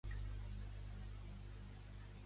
Com va marxar en Temme d'allà?